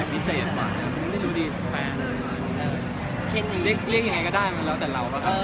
อันนี้เรียกยังไงก็ได้เหมือนแล้วแต่เราก็ทำ